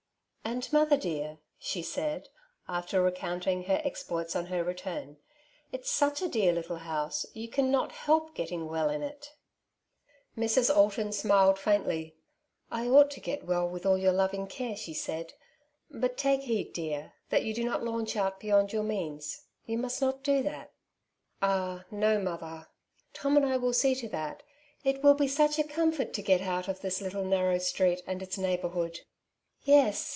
''And mother dear," she said, after recounting 8o " Two Sides to every Question^ ■^ her exploits on her return, ^^ it's such a dear little house, you cannot help getting well in it/' Mrs. Alton smiled faintly :" I ought to get well, with all your loving care,'^ she said ;" but take heed, dear, that you do not launch out beyond your means. You must not do that/' •'Ah no, mother. Tom and I will see to that. It will be such a comfort to get out of this little narrow street, and its neighbourhood/' '^ Yes